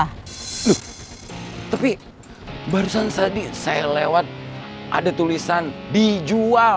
aduh tapi barusan tadi saya lewat ada tulisan dijual